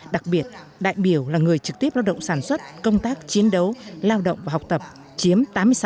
đặc biệt đại biểu là người trực tiếp lao động sản xuất công tác chiến đấu lao động và học tập chiếm tám mươi sáu